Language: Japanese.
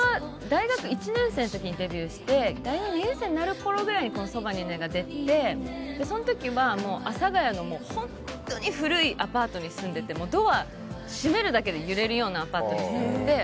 大学１年生の時にデビューして２年生になるころ「そばにいるね」が出てその時は、阿佐ヶ谷の本当に古いアパートに住んでてドア、閉めるだけで揺れるようなアパートに住んでいて。